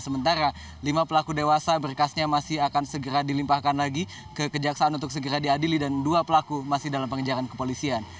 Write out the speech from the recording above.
sementara lima pelaku dewasa berkasnya masih akan segera dilimpahkan lagi ke kejaksaan untuk segera diadili dan dua pelaku masih dalam pengejaran kepolisian